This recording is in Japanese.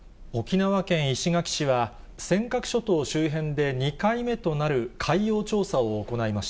沖縄県石垣市は、尖閣諸島周辺で２回目となる海洋調査を行いました。